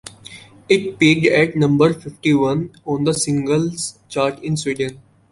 It peaked at number fifty-one on the singles chart in Sweden.